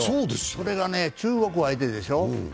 それが中国相手でしょ。